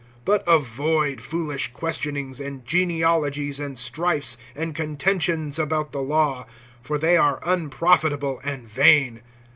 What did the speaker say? (9)But avoid foolish questionings, and genealogies, and strifes, and contentions about the law; for they are unprofitable and vain.